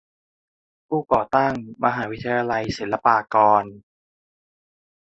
ผู้ก่อตั้งมหาวิทยาลัยศิลปากร